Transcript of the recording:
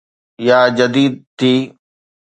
يا جديد ٿي